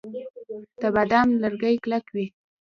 د بادام لرګي کلک وي.